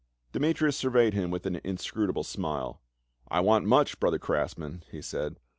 Demetrius surveyed him with an inscrutable smile, " I want much, brother craftsmen," he said.